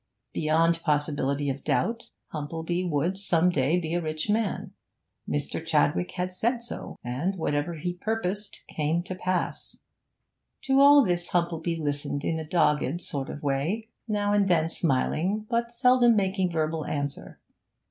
Beyond possibility of doubt Humplebee would some day be a rich man; Mr. Chadwick had said so, and whatever he purposed came to pass. To all this Humplebee listened in a dogged sort of way, now and then smiling, but seldom making verbal answer.